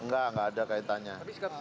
enggak enggak ada kaitannya